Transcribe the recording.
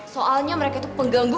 soalnya mereka tuh pengganggu